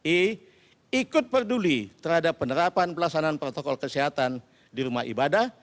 e ikut peduli terhadap penerapan pelaksanaan protokol kesehatan di rumah ibadah